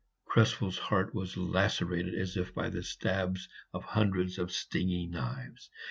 Krespel's heart was lacerated as if by the stabs of hundreds of stinging knives.